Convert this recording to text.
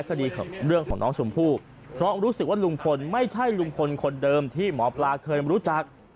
เรื่องของน้องชมพู่เพราะรู้สึกว่าลุงพลไม่ใช่ลุงพลคนเดิมที่หมอปลาเคยรู้จัก